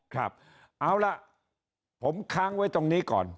ครับเอาล่ะผมค้างไว้ตรงนี้ก่อน